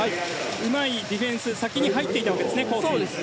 うまいディフェンス先に入っていたわけですね。